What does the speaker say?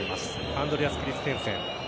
アンドレアス・クリステンセン。